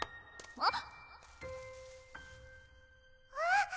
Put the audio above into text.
あっ！